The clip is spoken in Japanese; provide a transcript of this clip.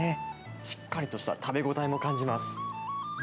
しっかりとした食べ応えも感じます。